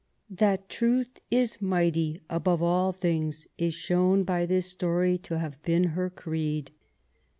That truth is mighty above all things is shown by this story to have been her creed.